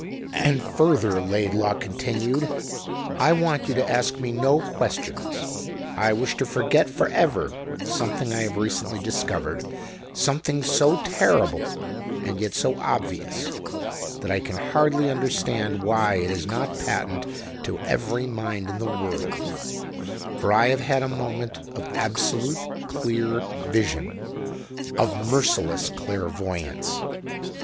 "And further," Laidlaw continued, "I want you to ask me no questions. I wish to forget for ever something I have recently discovered something so terrible and yet so obvious that I can hardly understand why it is not patent to every mind in the world for I have had a moment of absolute clear vision of merciless clairvoyance.